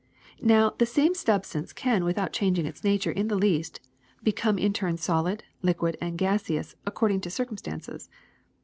''Now the same substance can, without changing its nature in the least, become in turn solid, liquid, and gaseous, according to circumstances.